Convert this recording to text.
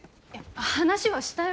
話はしたよ。